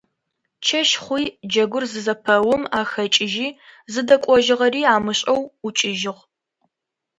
Чэщ хъуи джэгур зызэпэум ахэкӏыжьи зыдэкӏожьыгъэри амышӏэу ӏукӏыжьыгъ.